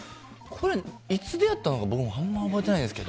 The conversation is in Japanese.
いつ出会ったのか僕もあんまり覚えてないです。